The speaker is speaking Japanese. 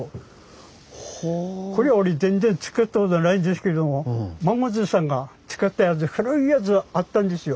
これは俺全然作ったことないんですけども孫じいさんが使ったやつ古いやつあったんですよ。